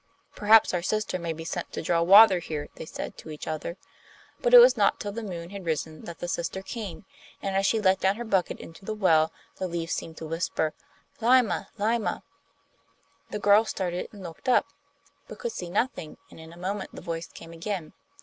'Perhaps our sister may be sent to draw water here,' they said to each other. But it was not till the moon had risen that the sister came, and as she let down her bucket into the well, the leaves seemed to whisper 'Lyma! Lyma!' The girl started and looked up, but could see nothing, and in a moment the voice came again.